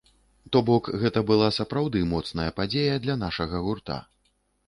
То бок, гэта была сапраўды моцная падзея для нашага гурта.